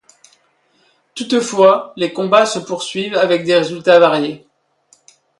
Toutefois les combats se poursuivent avec des résultats variés.